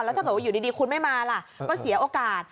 แล้วถ้าเกิดว่าอยู่ดีคุณไม่มาล่ะก็เสียโอกาส